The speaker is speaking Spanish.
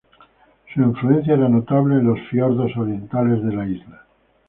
Su influencia era notable en los Fiordos orientales de la isla.